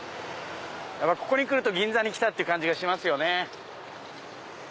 ここに来ると銀座に来たって感じがしますよね。